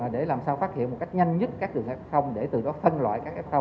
để làm sao phát hiện một cách nhanh nhất các đường f để từ đó phân loại các f